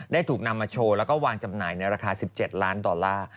ถูกนำมาโชว์แล้วก็วางจำหน่ายในราคา๑๗ล้านดอลลาร์